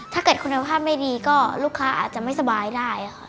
ถ้าเกิดคุณภาพไม่ดีก็ลูกค้าอาจจะไม่สบายได้ค่ะ